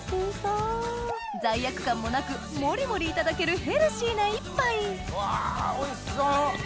罪悪感もなくモリモリいただけるヘルシーな一杯うわおいしそう！